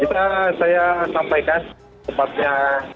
kita saya sampaikan tempatnya